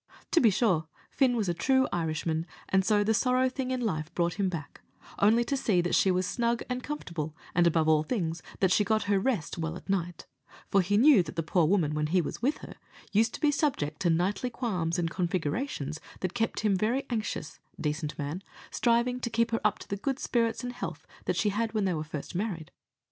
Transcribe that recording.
To be sure, Fin was a true Irishman, and so the sorrow thing in life brought him back, only to see that she was snug and comfortable, and, above all things, that she got her rest well at night; for he knew that the poor woman, when he was with her, used to be subject to nightly qualms and configurations, that kept him very anxious, decent man, striving to keep her up to the good spirits and health that she had when they were first married.